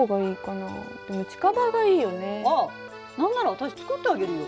あっ何なら私作ってあげるよ。